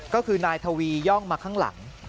ก็คือนายทวีย่องมาข้างหลัง